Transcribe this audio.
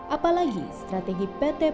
apalagi strategi pt pos indonesia